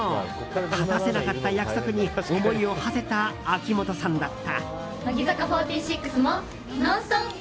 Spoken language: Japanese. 果たせなかった約束に思いをはせた秋元さんだった。